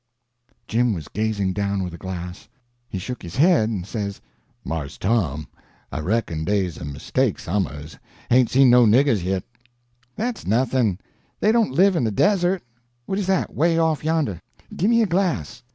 Jim was gazing down with the glass. He shook his head and says: "Mars Tom, I reckon dey's a mistake som'er's, hain't seen no niggers yit." "That's nothing; they don't live in the desert. What is that, 'way off yonder? Gimme a glass."